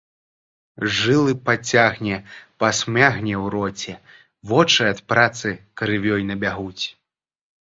Жылы падцягне, пасмягне ў роце, вочы ад працы крывёй набягуць.